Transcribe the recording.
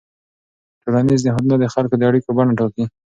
ټولنیز نهادونه د خلکو د اړیکو بڼه ټاکي.